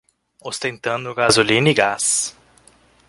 Ostentando gasolina e gás